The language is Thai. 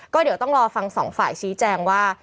ก็เดี๋ยวต้องรอฟังสองฝ่ายชี้แจงว่า